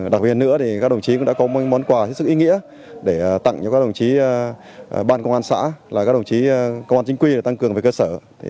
đặc biệt nữa các đồng chí cũng đã có một món quà hết sức ý nghĩa để tặng cho các đồng chí ban công an xã là các đồng chí công an chính quy tăng cường về cơ sở